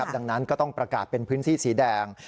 ดังนั้นก็ต้องประกาศเป็นพื้นที่สีแดง